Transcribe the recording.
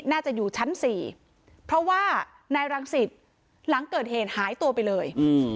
น่าจะอยู่ชั้น๔เพราะว่านายรังสิตหลังเกิดเหตุหายตัวไปเลย